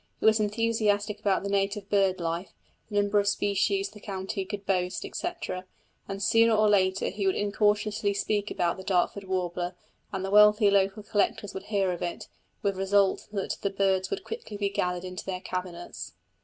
He was enthusiastic about the native bird life, the number of species the county could boast, etc., and sooner or later he would incautiously speak about the Dartford warbler, and the wealthy local collectors would hear of it, with the result that the birds would quickly be gathered into their cabinets.